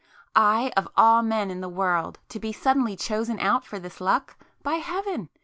I, of all men in the world to be suddenly chosen out for this luck! By Heaven!